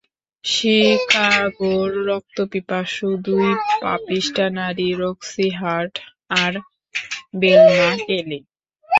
শিকাগোর রক্তপিপাসু দুই পাপিষ্ঠা নারী, রক্সি হার্ট আর ভেলমা কেলি!